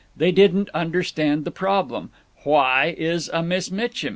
They didn't understand the problem, "Why is a Miss Mitchin?"